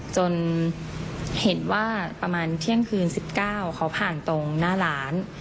จนเห็นว่าประมาณเที่ยงคืน๑๙เขาผ่านตรงหน้าร้าน